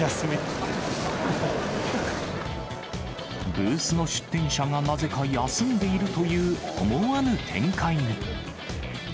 ブースの出店者が、なぜか休んでいるという思わぬ展開に。